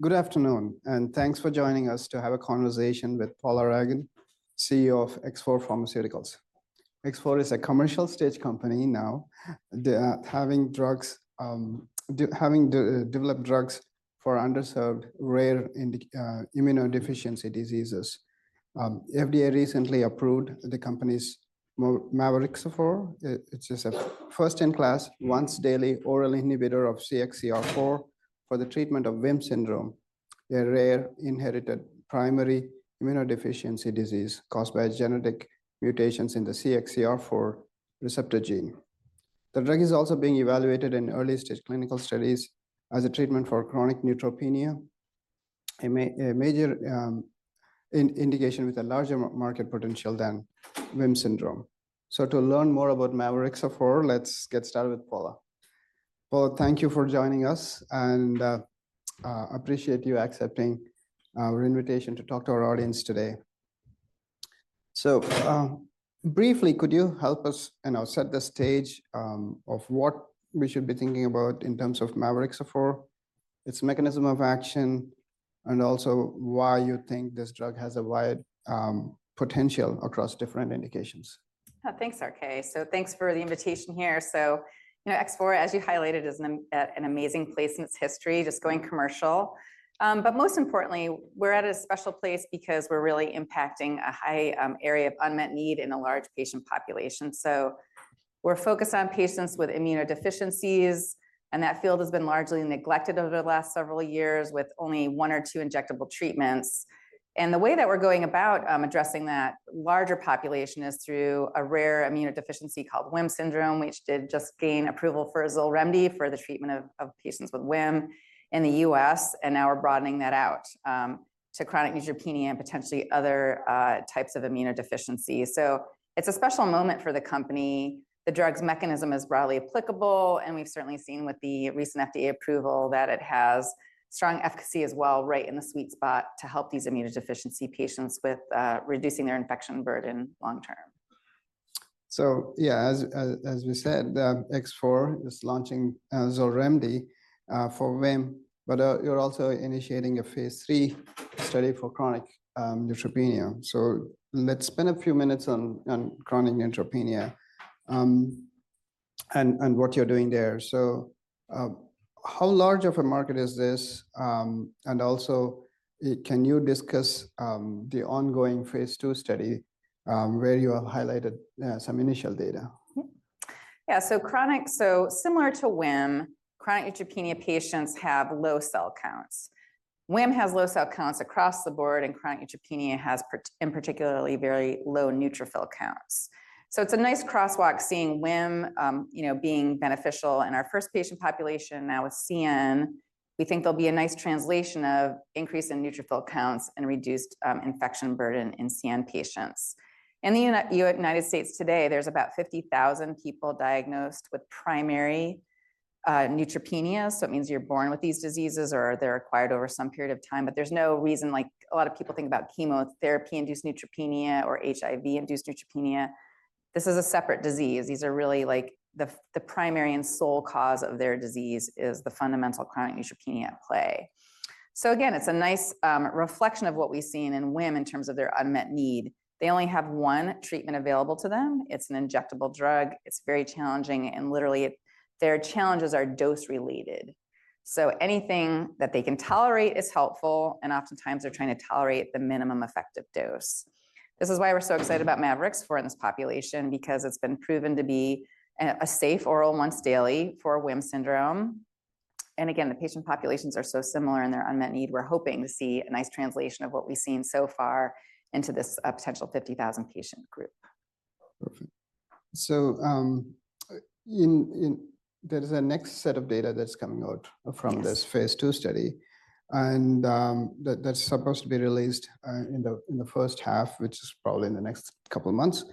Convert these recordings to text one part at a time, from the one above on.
Good afternoon, and thanks for joining us to have a conversation with Paula Ragan, CEO of X4 Pharmaceuticals. X4 is a commercial stage company now. They are having developed drugs for underserved rare immunodeficiency diseases. FDA recently approved the company's mavorixafor. It is a first-in-class, once-daily oral inhibitor of CXCR4 for the treatment of WHIM syndrome, a rare inherited primary immunodeficiency disease caused by genetic mutations in the CXCR4 receptor gene. The drug is also being evaluated in early-stage clinical studies as a treatment for chronic neutropenia, a major indication with a larger market potential than WHIM syndrome. So to learn more about mavorixafor, let's get started with Paula. Paula, thank you for joining us, and appreciate you accepting our invitation to talk to our audience today. So, briefly, could you help us, you know, set the stage of what we should be thinking about in terms of mavorixafor, its mechanism of action, and also why you think this drug has a wide potential across different indications? Thanks, RK. So thanks for the invitation here. So, you know, X4, as you highlighted, is in an amazing place in its history, just going commercial. But most importantly, we're at a special place because we're really impacting a high area of unmet need in a large patient population. So we're focused on patients with immunodeficiencies, and that field has been largely neglected over the last several years, with only one or two injectable treatments. The way that we're going about addressing that larger population is through a rare immunodeficiency called WHIM syndrome, which did just gain approval for XOLREMDI for the treatment of patients with WHIM in the U.S., and now we're broadening that out to chronic neutropenia and potentially other types of immunodeficiencies. So it's a special moment for the company. The drug's mechanism is broadly applicable, and we've certainly seen with the recent FDA approval that it has strong efficacy as well, right in the sweet spot to help these immunodeficiency patients with reducing their infection burden long term. So yeah, as we said, X4 is launching XOLREMDI for WHIM, but you're also initiating a phase III study for chronic neutropenia. So let's spend a few minutes on chronic neutropenia and what you're doing there. So how large of a market is this? And also, can you discuss the ongoing phase II study where you have highlighted some initial data? Yeah. So similar to WHIM, chronic neutropenia patients have low cell counts. WHIM has low cell counts across the board, and chronic neutropenia has in particularly, very low neutrophil counts. So it's a nice crosswalk, seeing WHIM, you know, being beneficial in our first patient population. Now with CN, we think there'll be a nice translation of increase in neutrophil counts and reduced, infection burden in CN patients. In the United States today, there's about 50,000 people diagnosed with primary neutropenia. So it means you're born with these diseases, or they're acquired over some period of time, but there's no reason, like, a lot of people think about chemotherapy-induced neutropenia or HIV-induced neutropenia. This is a separate disease. These are really, like, the primary and sole cause of their disease is the fundamental chronic neutropenia at play. So again, it's a nice reflection of what we've seen in WHIM in terms of their unmet need. They only have one treatment available to them. It's an injectable drug. It's very challenging, and literally, their challenges are dose-related. So anything that they can tolerate is helpful, and oftentimes they're trying to tolerate the minimum effective dose. This is why we're so excited about mavorixafor in this population, because it's been proven to be a safe oral once daily for WHIM syndrome. And again, the patient populations are so similar in their unmet need. We're hoping to see a nice translation of what we've seen so far into this potential 50,000-patient group. Perfect. So, there is a next set of data that's coming out... from this phase II study, and, that, that's supposed to be released, in the first half, which is probably in the next couple of months.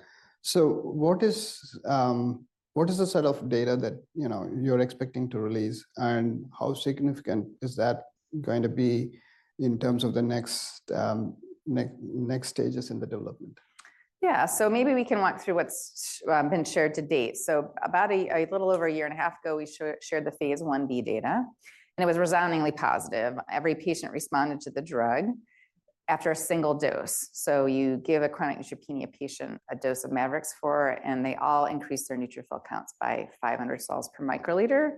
So what is, what is the set of data that, you know, you're expecting to release, and how significant is that going to be in terms of the next stages in the development? Yeah, so maybe we can walk through what's been shared to date. So about a little over a year and a half ago, we shared the phase Ib data, and it was resoundingly positive. Every patient responded to the drug after a single dose. So you give a chronic neutropenia patient a dose of mavorixafor, and they all increase their neutrophil counts by 500 cells per microliter.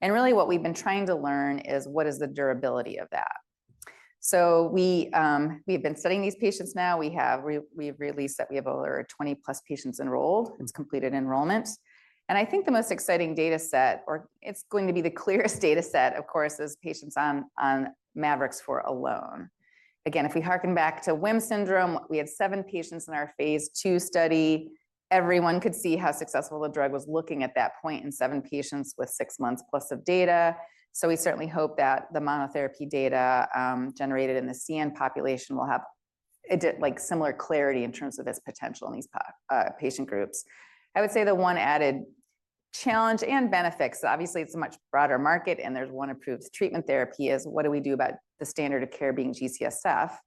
And really, what we've been trying to learn is, what is the durability of that? So we've been studying these patients now. We've released that we have over 20+ patients enrolled, who've completed enrollment, and I think the most exciting data set, or it's going to be the clearest data set, of course, is patients on mavorixafor alone. Again, if we harken back to WHIM syndrome, we had seven patients in our phase II study. Everyone could see how successful the drug was, looking at that point in seven patients with six months+ of data. So we certainly hope that the monotherapy data generated in the CN population will have like, similar clarity in terms of its potential in these patient groups. I would say the one added challenge and benefit, 'cause obviously it's a much broader market, and there's one approved treatment therapy, is what do we do about the standard of care being G-CSF?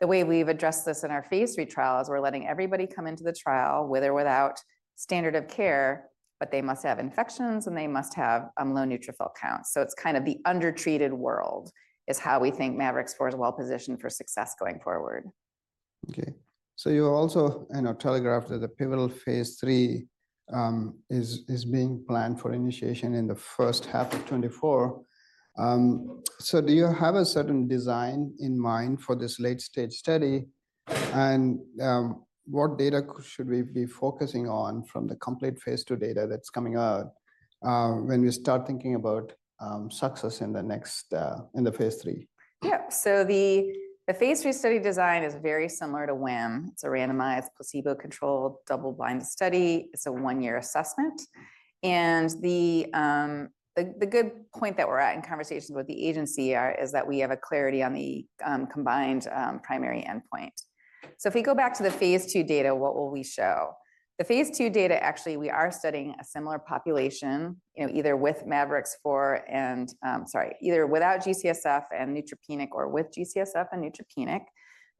The way we've addressed this in our phase III trial is we're letting everybody come into the trial, with or without standard of care, but they must have infections, and they must have low neutrophil counts. It's kind of the undertreated world, is how we think mavorixafor is well-positioned for success going forward. Okay. So you also, you know, telegraphed that the pivotal Phase III is being planned for initiation in the first half of 2024. So do you have a certain design in mind for this late-stage study? And what data should we be focusing on from the complete Phase II data that's coming out, when we start thinking about success in the next Phase III? Yep. So the phase III study design is very similar to WHIM. It's a randomized, placebo-controlled, double-blind study. It's a one-year assessment, and the good point that we're at in conversations with the agency is that we have a clarity on the combined primary endpoint. So if we go back to the phase II data, what will we show? The phase II data, actually, we are studying a similar population, you know, either with mavorixafor and... Sorry, either without G-CSF and neutropenic or with G-CSF and neutropenic.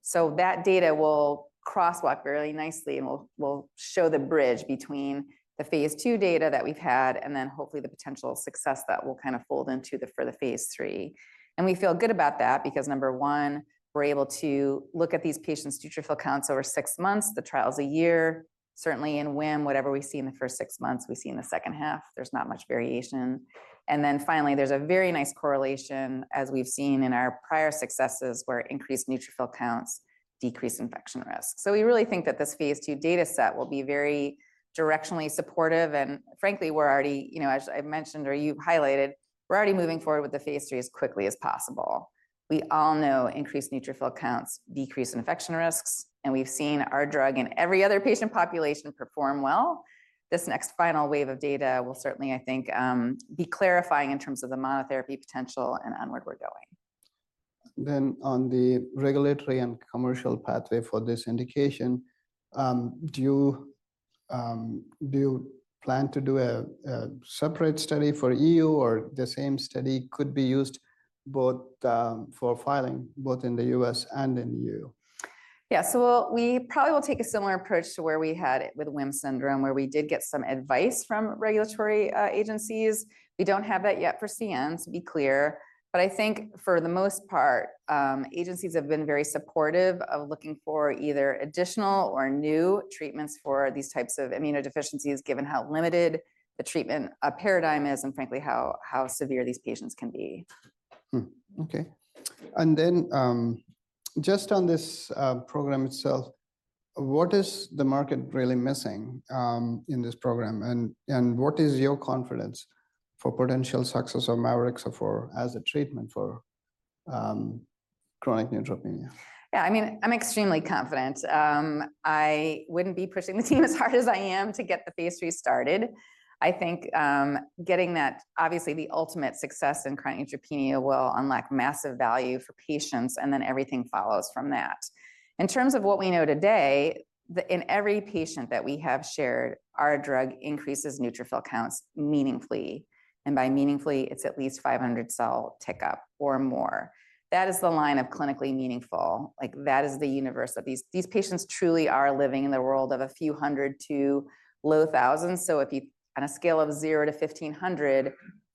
So that data will crosswalk really nicely, and will show the bridge between the phase II data that we've had, and then hopefully the potential success that will kinda fold into the for the phase III. We feel good about that, because, number one, we're able to look at these patients' neutrophil counts over six months. The trial's a year. Certainly in WHIM, whatever we see in the first six months, we see in the second half. There's not much variation. And then finally, there's a very nice correlation, as we've seen in our prior successes, where increased neutrophil counts decrease infection risk. So we really think that this phase II data set will be very directionally supportive, and frankly, we're already, you know, as I've mentioned, or you've highlighted, we're already moving forward with the phase III as quickly as possible. We all know increased neutrophil counts decrease infection risks, and we've seen our drug in every other patient population perform well. This next final wave of data will certainly, I think, be clarifying in terms of the monotherapy potential and on where we're going. On the regulatory and commercial pathway for this indication, do you plan to do a separate study for EU, or the same study could be used both for filing both in the U.S. and in EU? Yeah, so we probably will take a similar approach to where we had it with WHIM syndrome, where we did get some advice from regulatory agencies. We don't have that yet for CNs, to be clear, but I think for the most part, agencies have been very supportive of looking for either additional or new treatments for these types of immunodeficiencies, given how limited the treatment paradigm is, and frankly, how severe these patients can be. Hmm, okay. And then, just on this program itself, what is the market really missing in this program, and what is your confidence for potential success of mavorixafor as a treatment for chronic neutropenia? Yeah, I mean, I'm extremely confident. I wouldn't be pushing the team as hard as I am to get the phase III started. I think, getting that, obviously the ultimate success in chronic neutropenia will unlock massive value for patients, and then everything follows from that. In terms of what we know today, in every patient that we have shared, our drug increases neutrophil counts meaningfully, and by meaningfully, it's at least 500 cell tick up or more. That is the line of clinically meaningful. Like, that is the universe of these patients truly are living in the world of a few hundred to low thousands. So if you, on a scale of 0 to 1,500,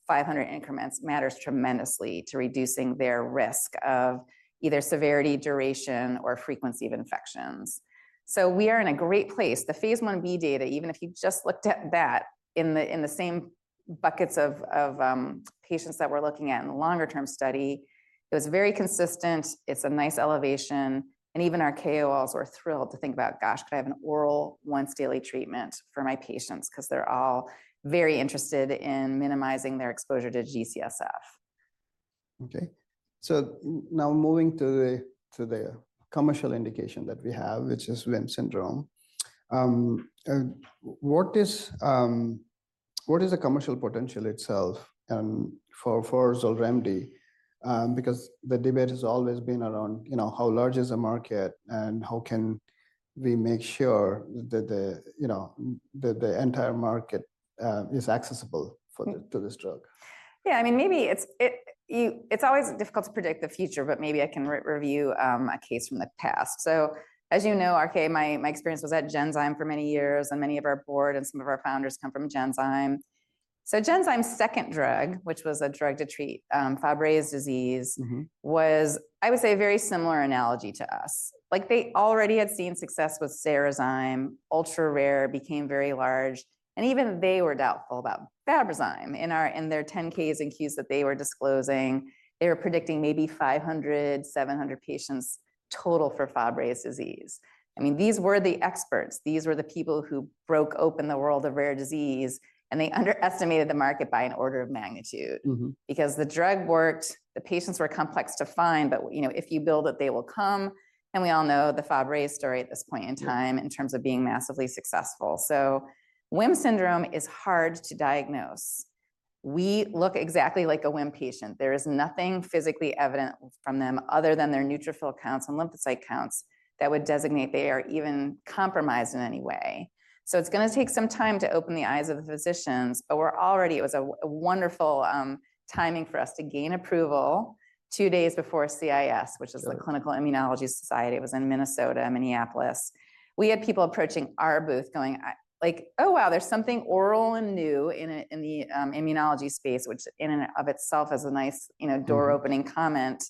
500 increments matters tremendously to reducing their risk of either severity, duration, or frequency of infections. So we are in a great place. The phase Ib data, even if you just looked at that in the same buckets of patients that we're looking at in the longer-term study, it was very consistent. It's a nice elevation, and even our KOLs were thrilled to think about, Gosh, could I have an oral, once-daily treatment for my patients? 'Cause they're all very interested in minimizing their exposure to G-CSF. Okay. So now moving to the, to the commercial indication that we have, which is WHIM syndrome, what is, what is the commercial potential itself, for, for XOLREMDI? Because the debate has always been around, you know, how large is the market, and how can we make sure that the, you know, that the entire market, is accessible for to this drug? Yeah, I mean, maybe it's. It's always difficult to predict the future, but maybe I can review a case from the past. So as you know, RK, my experience was at Genzyme for many years, and many of our board and some of our founders come from Genzyme. So Genzyme's second drug, which was a drug to treat, Fabry's disease- Mm-hmm... was, I would say, a very similar analogy to us. Like, they already had seen success with Cerezyme, ultra-rare, became very large, and even they were doubtful about Fabrazyme. In our, in their 10-Ks and 10-Qs that they were disclosing, they were predicting maybe 500, 700 patients total for Fabry disease. I mean, these were the experts. These were the people who broke open the world of rare disease, and they underestimated the market by an order of magnitude. Mm-hmm. Because the drug worked, the patients were complex to find, but, you know, if you build it, they will come, and we all know the Fabry story at this point in time- Yeah... in terms of being massively successful. So WHIM syndrome is hard to diagnose. We look exactly like a WHIM patient. There is nothing physically evident from them other than their neutrophil counts and lymphocyte counts.... that would designate they are even compromised in any way. So it's gonna take some time to open the eyes of the physicians, but we're already- it was a wonderful timing for us to gain approval two days before CIS- Sure... which is the Clinical Immunology Society. It was in Minnesota, Minneapolis. We had people approaching our booth going, like, Oh, wow, there's something oral and new in the immunology space, which in and of itself is a nice, you know- Mm-hmm... door-opening comment.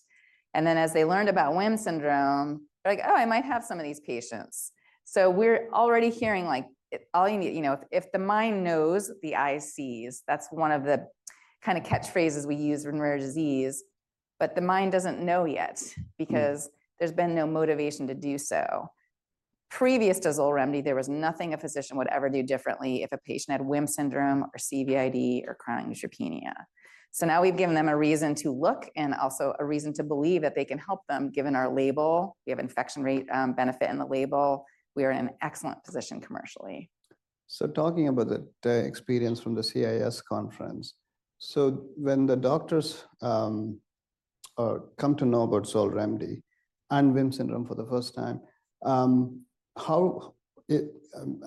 And then as they learned about WHIM syndrome, they're like, Oh, I might have some of these patients. So we're already hearing, like, it... You know, if the mind knows, the eye sees. That's one of the kind of catchphrases we use in rare disease, but the mind doesn't know yet. Mm... because there's been no motivation to do so. Previous to XOLREMDI, there was nothing a physician would ever do differently if a patient had WHIM syndrome or CVID or chronic neutropenia. So now we've given them a reason to look and also a reason to believe that they can help them, given our label. We have infection rate, benefit in the label. We are in an excellent position commercially. So talking about the experience from the CIS conference, so when the doctors come to know about XOLREMDI and WHIM syndrome for the first time, I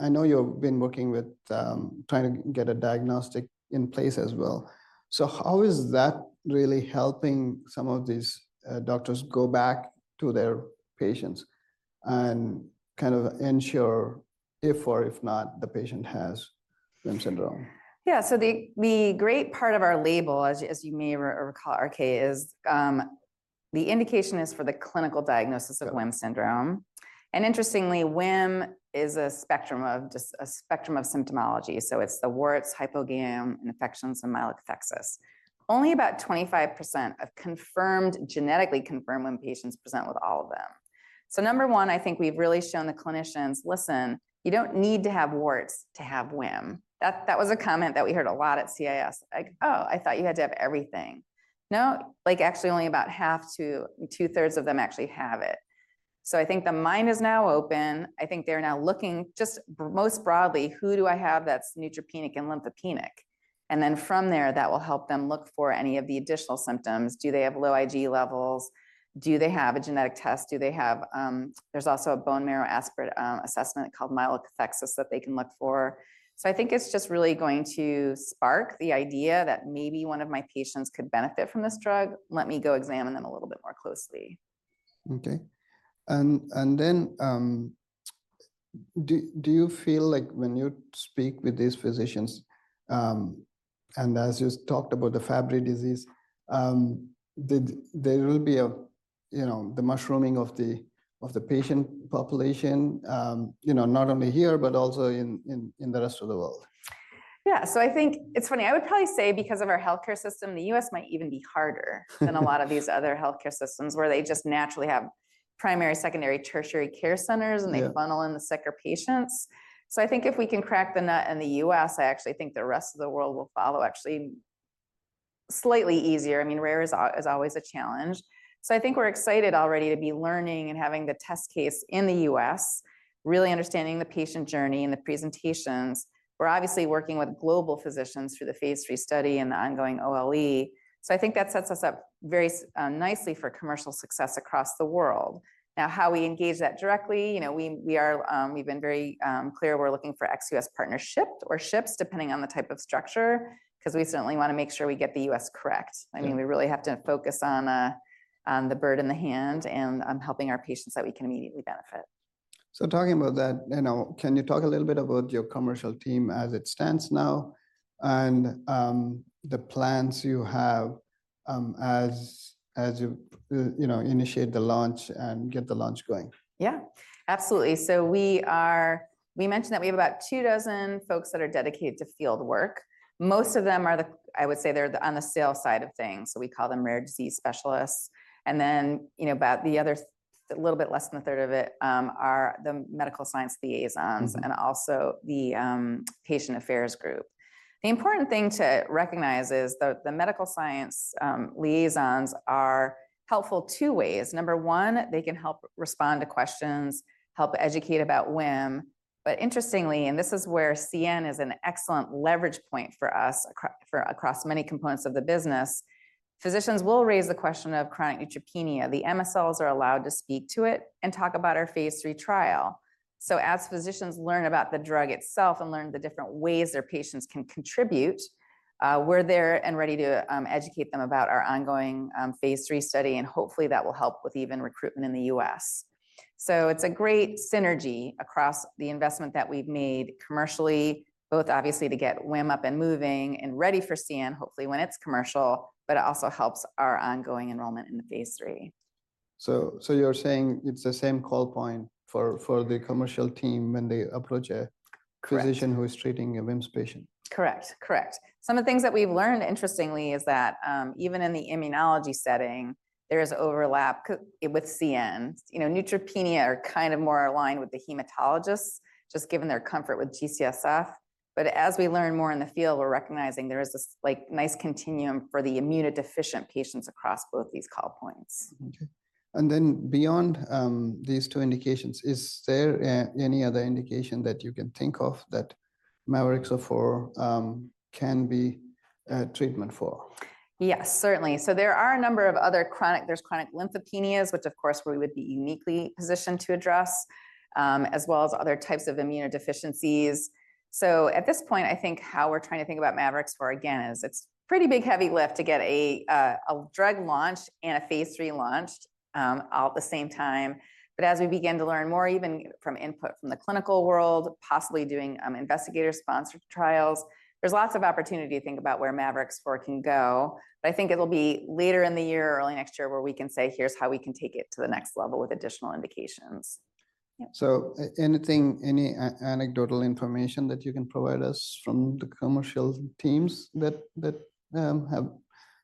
know you've been working with trying to get a diagnostic in place as well. So how is that really helping some of these doctors go back to their patients and kind of ensure if or if not the patient has WHIM syndrome? Yeah. So the great part of our label, as you may recall, RK, is the indication is for the clinical diagnosis of WHIM syndrome. And interestingly, WHIM is a spectrum of a spectrum of symptomology. So it's the warts, hypogammaglobulinemia, infections, and myelokathexis. Only about 25% of confirmed, genetically confirmed WHIM patients present with all of them. So number one, I think we've really shown the clinicians, Listen, you don't need to have warts to have WHIM. That was a comment that we heard a lot at CIS. Like, Oh, I thought you had to have everything. No, like, actually only about half to two-thirds of them actually have it. So I think the mind is now open. I think they're now looking just most broadly, Who do I have that's neutropenic and lymphopenic? And then from there, that will help them look for any of the additional symptoms. Do they have low IgE levels? Do they have a genetic test? Do they have... There's also a bone marrow aspirate assessment called myelokathexis that they can look for. So I think it's just really going to spark the idea that maybe one of my patients could benefit from this drug. Let me go examine them a little bit more closely. Okay. And then, do you feel like when you speak with these physicians, and as you talked about the Fabry disease, there will be a, you know, the mushrooming of the patient population, you know, not only here, but also in the rest of the world? Yeah. So I think... It's funny, I would probably say because of our healthcare system, the U.S. might even be harder-... than a lot of these other healthcare systems, where they just naturally have primary, secondary, tertiary care centers- Yeah... and they funnel in the sicker patients. So I think if we can crack the nut in the U.S., I actually think the rest of the world will follow actually slightly easier. I mean, rare is always a challenge. So I think we're excited already to be learning and having the test case in the U.S., really understanding the patient journey and the presentations. We're obviously working with global physicians through the phase III study and the ongoing OLE. So I think that sets us up very nicely for commercial success across the world. Now, how we engage that directly, you know, we've been very clear we're looking for ex-U.S. partnerships, depending on the type of structure, 'cause we certainly wanna make sure we get the U.S. correct. Yeah. I mean, we really have to focus on, on the bird in the hand and on helping our patients that we can immediately benefit. So talking about that, you know, can you talk a little bit about your commercial team as it stands now and the plans you have as you you know initiate the launch and get the launch going? Yeah. Absolutely. So we mentioned that we have about 24 folks that are dedicated to field work. Most of them are the... I would say they're the, on the sales side of things, so we call them rare disease specialists. And then, you know, about the other, a little bit less than a third of it, are the medical science liaisons. Mm-hmm... and also the patient affairs group. The important thing to recognize is the medical science liaisons are helpful two ways. Number one, they can help respond to questions, help educate about WHIM. But interestingly, and this is where CN is an excellent leverage point for us across many components of the business, physicians will raise the question of chronic neutropenia. The MSLs are allowed to speak to it and talk about our Phase III trial. So as physicians learn about the drug itself and learn the different ways their patients can contribute, we're there and ready to educate them about our ongoing Phase III study, and hopefully, that will help with even recruitment in the U.S.. It's a great synergy across the investment that we've made commercially, both obviously to get WHIM up and moving and ready for CN, hopefully when it's commercial, but it also helps our ongoing enrollment in the phase III. So, you're saying it's the same call point for the commercial team when they approach a- Correct... physician who is treating a WHIM patient? Correct. Correct. Some of the things that we've learned, interestingly, is that even in the immunology setting, there is overlap with CN. You know, neutropenia are kind of more aligned with the hematologists, just given their comfort with G-CSF. But as we learn more in the field, we're recognizing there is this, like, nice continuum for the immunodeficient patients across both these call points. Mm-hmm. Okay. And then beyond these two indications, is there any other indication that you can think of that mavorixafor can be a treatment for? Yes, certainly. So there are a number of other chronic lymphopenias, which of course, we would be uniquely positioned to address, as well as other types of immunodeficiencies. So at this point, I think how we're trying to think about mavorixafor, again, is it's pretty big, heavy lift to get a drug launched and a phase III launched, all at the same time. But as we begin to learn more, even from input from the clinical world, possibly doing investigator-sponsored trials, there's lots of opportunity to think about where mavorixafor can go. But I think it'll be later in the year or early next year where we can say, "Here's how we can take it to the next level with additional indications." Yep. So anything, any anecdotal information that you can provide us from the commercial teams that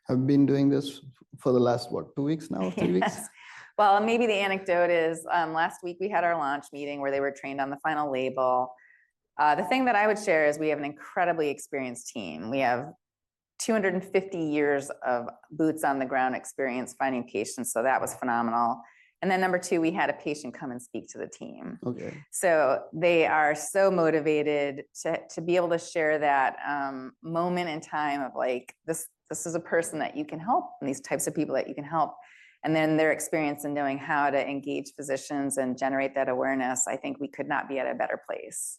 have been doing this for the last, what, two weeks now or three weeks? Well, maybe the anecdote is, last week we had our launch meeting where they were trained on the final label. The thing that I would share is we have an incredibly experienced team. We have 250 years of boots on the ground experience finding patients, so that was phenomenal. And then number two, we had a patient come and speak to the team. Okay. So they are so motivated to be able to share that, moment in time of like, this, this is a person that you can help, and these types of people that you can help. And then their experience in knowing how to engage physicians and generate that awareness, I think we could not be at a better place.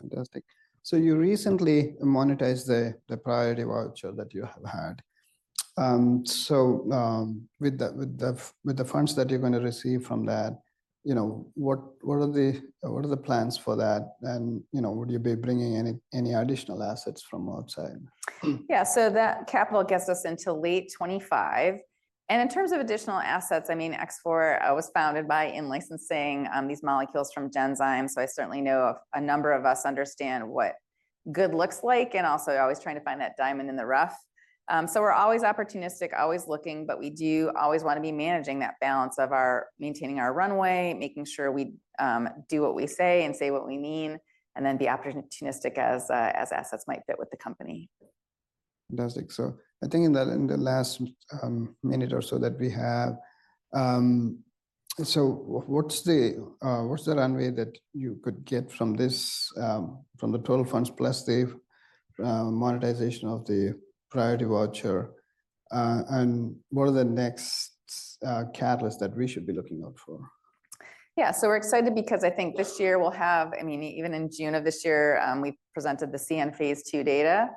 Fantastic. So you recently monetized the priority voucher that you have had. So, with the funds that you're gonna receive from that, you know, what are the plans for that? And, you know, would you be bringing any additional assets from outside? Hmm. Yeah. So that capital gets us into late 2025. In terms of additional assets, I mean, X4 was founded by in-licensing these molecules from Genzyme, so I certainly know a number of us understand what good looks like, and also always trying to find that diamond in the rough. So we're always opportunistic, always looking, but we do always wanna be managing that balance of our maintaining our runway, making sure we do what we say and say what we mean, and then be opportunistic as assets might fit with the company. Fantastic. So I think in the, in the last minute or so that we have... So what's the runway that you could get from this, from the total funds, plus the monetization of the priority voucher? And what are the next catalysts that we should be looking out for? Yeah. So we're excited because I think this year we'll have—I mean, even in June of this year, we presented the CN Phase II data.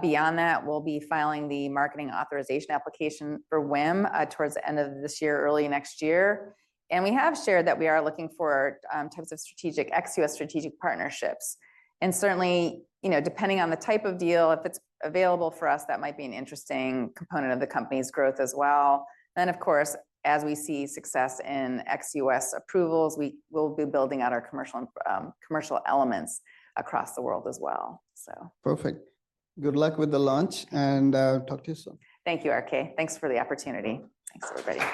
Beyond that, we'll be filing the marketing authorization application for WHIM, towards the end of this year, early next year. And we have shared that we are looking for types of strategic, ex-U.S. strategic partnerships. And certainly, you know, depending on the type of deal, if it's available for us, that might be an interesting component of the company's growth as well. Then, of course, as we see success in ex-U.S. approvals, we will be building out our commercial, commercial elements across the world as well, so. Perfect. Good luck with the launch, and talk to you soon. Thank you, RK. Thanks for the opportunity. Thanks, everybody.